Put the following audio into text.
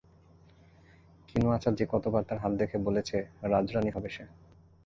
কিনু আচার্যি কতবার তার হাত দেখে বলেছে, রাজরানী হবে সে।